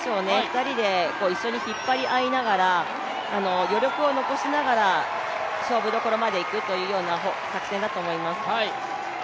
２人で一緒に引っ張り合いながら余力を残しながら、勝負どころまでいくという作戦だと思います。